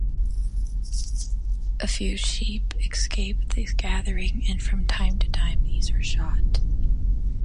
A few sheep escape the gathering, and from time to time these are shot.